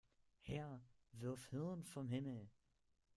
Herr, wirf Hirn vom Himmel!